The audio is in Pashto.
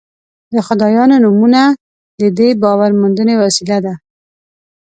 د خدایانو نومونه د دې باور موندنې وسیله ده.